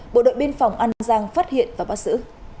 bộ đội biên phòng an giang phát hiện và bắt giữ